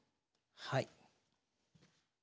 はい。